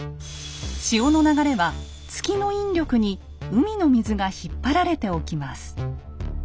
潮の流れは月の引力に海の水が引っ張られて起きます。